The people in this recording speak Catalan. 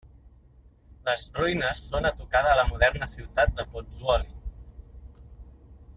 Les ruïnes són a tocar de la moderna ciutat de Pozzuoli.